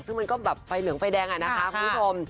ซึ่งมันก็แบบไฟเหลืองไฟแดงอะนะคะคุณผู้ชม